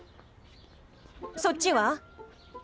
そっちは？